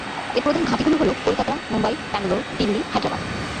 এর প্রধান ঘাঁটি গুলি হলোঃ কলকাতা, মুম্বই, ব্যাঙ্গালোর, দিল্লি, হায়দ্রাবাদ।